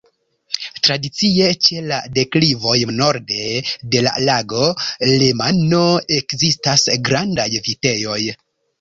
Tradicie ĉe la deklivoj norde de la Lago Lemano ekzistas grandaj vitejoj.